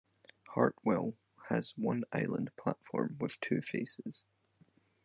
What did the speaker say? Hartwell has one island platform with two faces.